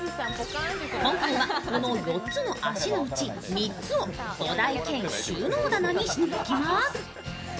今回は、この４つの脚のうち、３つを土台兼収納棚にしていきます。